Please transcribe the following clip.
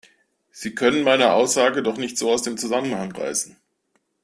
Sie können meine Aussage doch nicht so aus dem Zusammenhang reißen!